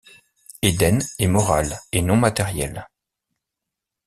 Éden est moral et non matériel.